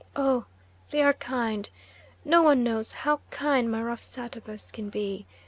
Oh, they are kind; no one knows how kind my rough Satabus can be.